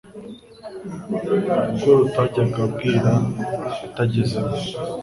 urugo butajyaga bwira atagezemo.